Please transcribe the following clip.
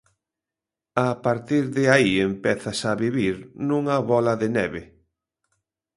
A partir de aí empezas a vivir nunha bóla de neve.